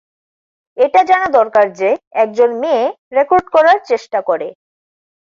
এটা জানা দরকার যে, একজন মেয়ে রেকর্ড করার চেষ্টা করে।